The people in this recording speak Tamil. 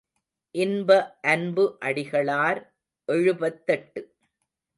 இன்ப அன்பு அடிகளார் எழுபத்தெட்டு.